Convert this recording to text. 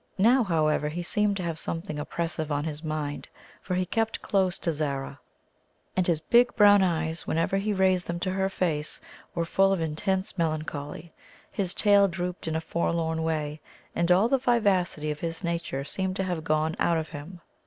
Now, however, he seemed to have something oppressive on his mind, for he kept close to Zara, and his big brown eyes, whenever he raised them to her face, were full of intense melancholy. His tail drooped in a forlorn way, and all the vivacity of his nature seemed to have gone out of him.